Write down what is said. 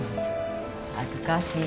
恥ずかしい。